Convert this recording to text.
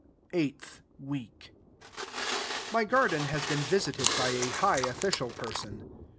EIGHTH WEEK My garden has been visited by a High Official Person.